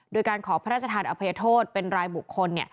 โดยการขอพระราชทานอภัยโทษเป็นรายบุคคล